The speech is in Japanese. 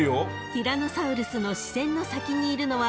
［ティラノサウルスの視線の先にいるのは］